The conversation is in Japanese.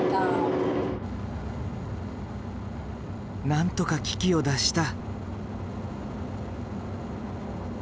なんとか危機を脱した。